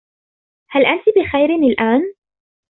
هل أنتِ بخير الآن ؟